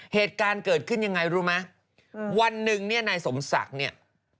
เหตุการณ์เกิดขึ้นยังไงรู้ไหมวันหนึ่งเนี่ยนายสมศักดิ์เนี่ย